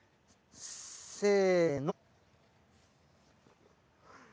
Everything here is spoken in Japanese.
せの。